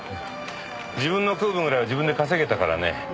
自分の食う分ぐらいは自分で稼げたからね。